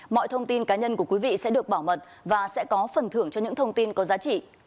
mọi thông tin cá nhân của quý vị sẽ được bảo mật và sẽ có phần thưởng cho những thông tin có giá trị